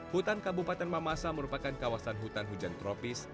hutan kabupaten mamasa merupakan kawasan hutan hujan tropis